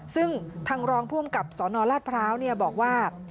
ซึ่งทางรองภูมิกับสนราชพร้าวเนี่ยบอกว่า